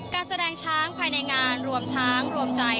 การแสดงช้างภายในงานรวมช้างรวมใจ